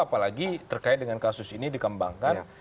apalagi terkait dengan kasus ini dikembangkan